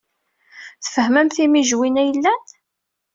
Tfehmem timijwin ay yellan.